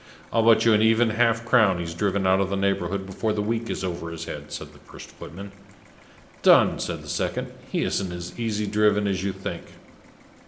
"I'll bet you an even half crown he's driven out of the neighborhood before another week is over his head," said the first footman. "Done!" said the second. "He isn't as easy driven as you think."